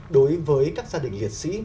đối với các gia đình liệt sĩ